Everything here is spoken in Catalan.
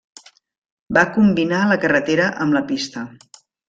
Va combinar la carretera amb la pista.